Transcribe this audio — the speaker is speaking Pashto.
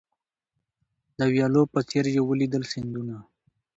د ویالو په څېر یې ولیدل سیندونه